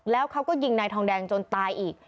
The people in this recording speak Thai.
แล้วเขาก็ยิงนายทองแดงจนตายอีก